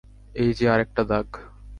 এই যে আরেকটা দাগ।